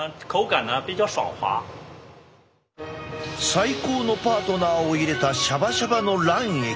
最高のパートナーを入れたシャバシャバの卵液。